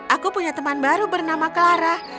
aku punya teman baru bernama clara